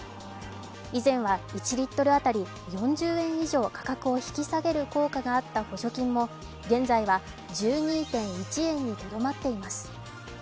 以前は１リットル当たり４０円以上価格を引き下げる効果があった補助金も、現在は１２．１円にとどまっています。